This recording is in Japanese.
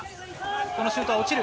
このシュートは落ちる。